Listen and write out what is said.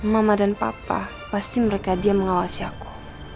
mama dan papa pasti mereka dia mengawasi aku